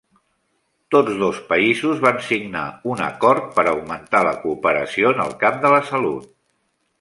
Tots dos països van signar un acord per augmentar la cooperació en el camp de la salut.